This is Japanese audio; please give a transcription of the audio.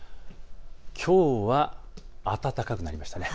きょうは暖かくなりましたね。